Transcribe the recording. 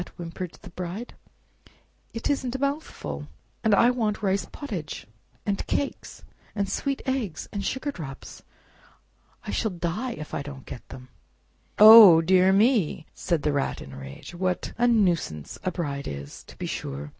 whimpered the Bride; "it isn't a mouthful; and I want rice pottage, and cakes, and sweet eggs, and sugar drops. I shall die if I don't get them!" "Oh, dear me!" cried the Rat in a rage, "what a nuisance a bride is, to be sure!